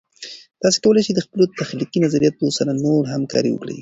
تاسې کولای سئ د خپلو تخلیقي نظریاتو سره نور همکارۍ وکړئ.